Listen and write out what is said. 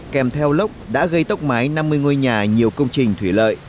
kèm theo lốc đã gây tốc mái năm mươi ngôi nhà nhiều công trình thủy lợi